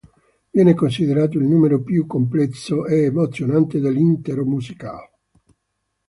Viene considerato il numero più complesso ed emozionante dell'intero musical.